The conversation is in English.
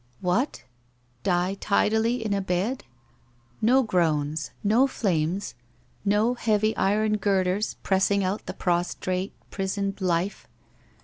What? Die tidily in a bed? No groans! No flames! No heavy iron girders pressing out the prostrate prisoned life